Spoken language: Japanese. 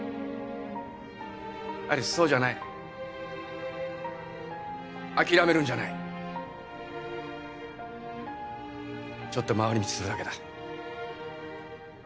有栖そうじゃない諦めるんじゃないちょっと回り道するだけだ